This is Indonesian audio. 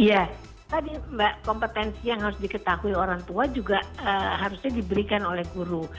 iya tadi mbak kompetensi yang harus diketahui orang tua juga harusnya diberikan oleh guru